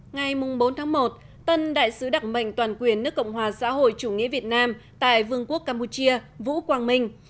ngày bốn tháng một tân đại sứ đặc mệnh toàn quyền nước cộng hòa xã hội chủ nghĩa việt nam tại vương quốc campuchia vũ quang minh